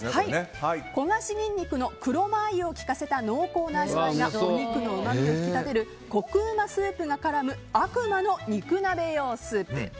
焦がしニンニクの黒マー油を利かせた濃厚の味わいがお肉のうまみを引き立てるコク旨スープがからむ悪魔の肉鍋用スープ。